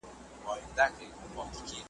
نه قیامت سته نه د مرګ توري پلټني ,